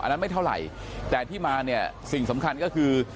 อันนั้นไม่เท่าไหร่แต่ที่มาเนี่ยสิ่งสำคัญก็คือ